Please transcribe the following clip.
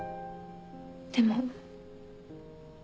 でも。